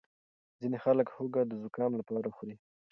ځینې خلک هوږه د زکام لپاره خوري.